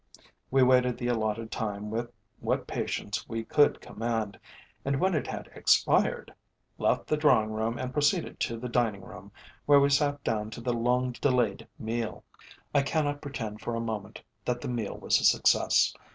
We waited the allotted time with what patience we could command, and when it had expired, left the drawing room and proceeded to the dining room, where we sat down to the long delayed meal. I cannot pretend for a moment that the meal was a success.